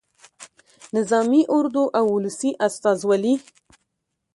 نظامي اردو او ولسي استازولي.